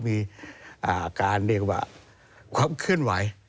มีการเรียกว่าความเคลื่อนไหว